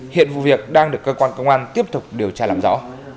hiện vụ việc đang được cơ quan công an tiếp tục điều tra làm rõ